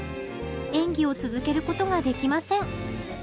演技を続けることができません。